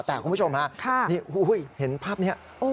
แต่คุณผู้ชมฮะนี่เห็นภาพนี้